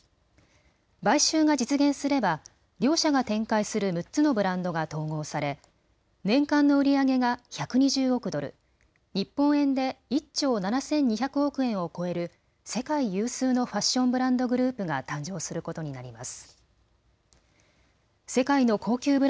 買収が実現すれば両社が展開する６つのブランドが統合され年間の売り上げが１２０億ドル、日本円で１兆７２００億円を超える世界有数のファッションブランドグループが誕生することになります。